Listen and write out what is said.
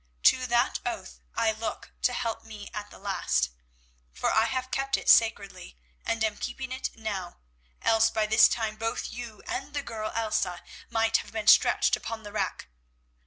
To that oath I look to help me at the last, for I have kept it sacredly, and am keeping it now, else by this time both you and the girl, Elsa, might have been stretched upon the rack.